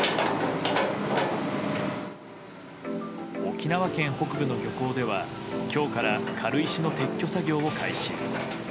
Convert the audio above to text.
沖縄県北部の漁港では今日から軽石の撤去作業を開始。